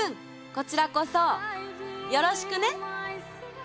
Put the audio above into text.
こちらこそよろしくね！